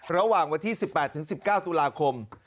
ระหว่างวันที่๑๘๑๙ตุลาคม